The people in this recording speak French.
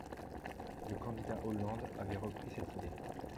Le candidat Hollande avait repris cette idée.